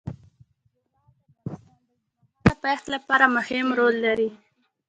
زغال د افغانستان د اوږدمهاله پایښت لپاره مهم رول لري.